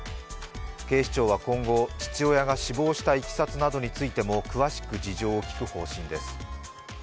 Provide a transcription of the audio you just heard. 警視庁は今後、父親が死亡したいきさつなどについても詳しく事情を聴く方針です。